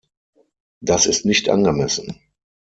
Das ist nicht angemessen!